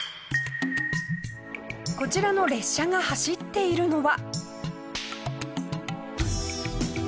こちらの列車が走っているのは。